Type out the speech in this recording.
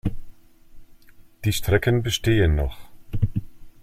Die Strecken bestehen noch.